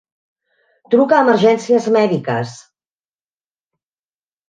Truca a emergències mèdiques!